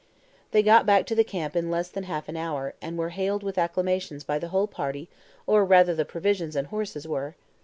They got back to the camp in less than half an hour, and were hailed with acclamations by the whole party or rather the provisions and horses were.